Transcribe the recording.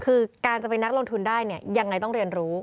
คือการจะเป็นนักลงทุนได้เนี่ยยังไงต้องเรียนรู้